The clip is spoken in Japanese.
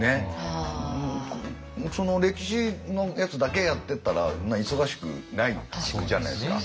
歴史のやつだけやってったらそんな忙しくないじゃないですか。